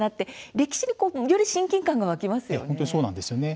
歴史により親近感が湧きますよね。